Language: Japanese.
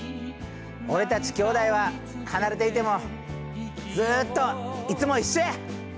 俺たちきょうだいは離れていてもずっといつも一緒や！